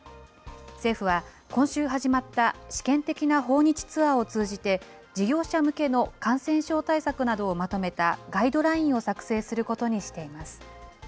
政府は今週始まった試験的な訪日ツアーを通じて、事業者向けの感染症対策などをまとめたガイドラインを作成することにしています。